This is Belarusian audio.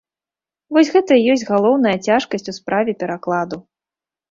Вось гэта і ёсць галоўная цяжкасць у справе перакладу.